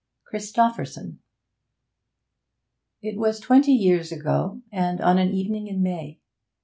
CHRISTOPHERSON It was twenty years ago, and on an evening in May.